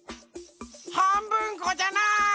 はんぶんこじゃない！